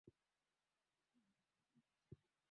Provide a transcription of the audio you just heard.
ya Boston kwa kuonyesha upinzani wao dhidi ya kodi